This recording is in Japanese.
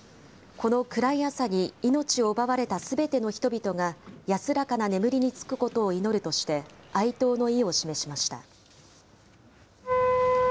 この暗い朝に命を奪われたすべての人々が安らかな眠りにつくことを祈るとして、哀悼の意を示しました。